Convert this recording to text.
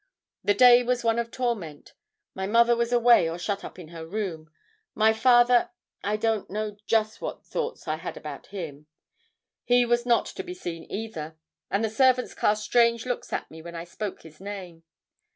The day was one of torment. My mother was away or shut up in her room. My father I don't know just what thoughts I had about him. He was not to be seen either, and the servants cast strange looks at me when I spoke his name.